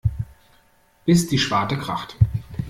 Bis die Schwarte kracht.